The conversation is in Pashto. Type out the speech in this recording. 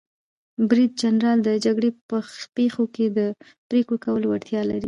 برید جنرال د جګړې په پیښو کې د پریکړو کولو وړتیا لري.